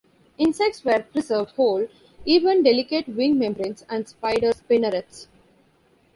Insects were preserved whole, even delicate wing membranes and spider spinnerets.